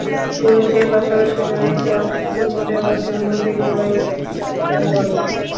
পুরুষের পাশাপাশি নারীরাও চুমু দেওয়ার জন্য দীর্ঘ লাইন ধরে অপেক্ষা করেন।